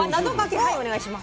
はいお願いします。